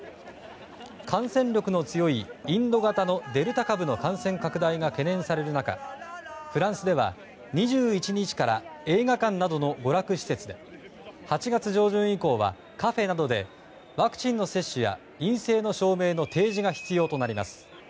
感染力の強いインド型のデルタ株の感染拡大が懸念される中フランスでは２１日から映画館などの娯楽施設で８月上旬以降はカフェなどでワクチンの接種や陰性の証明の提示が必要となります。